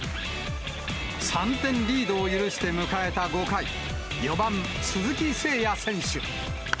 ３点リードを許して迎えた５回、４番鈴木誠也選手。